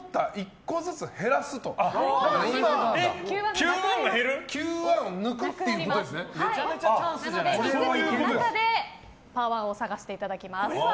５つの中でパーワンを探していただきます。